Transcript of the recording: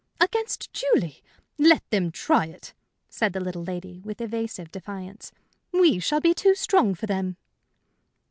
"Against Julie? Let them try it!" said the little lady, with evasive defiance. "We shall be too strong for them."